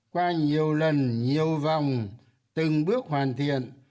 qua nhiều lần nhiều vòng từng bước hoàn thiện